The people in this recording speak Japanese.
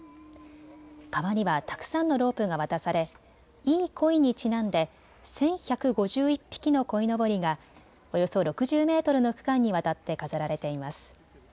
川にはたくさんのロープが渡されいいこいにちなんで１１５１匹のこいのぼりがおよそ６０メートルの区間にわたって飾られています。